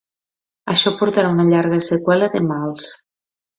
Això portarà una llarga seqüela de mals.